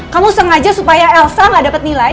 kamu sengaja supaya elsa gak dapat nilai